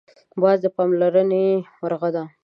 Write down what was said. باز د پاملرنې مرغه دی